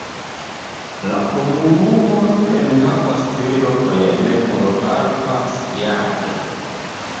La komunumo enhavas tri lokojn por alpa skiado.